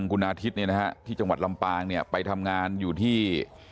คุณอาทิตย์เนี่ยนะฮะที่จังหวัดลำปางเนี่ยไปทำงานอยู่ที่